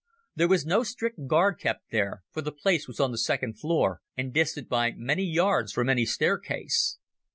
There was no strict guard kept there, for the place was on the second floor, and distant by many yards from any staircase.